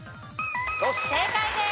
正解です。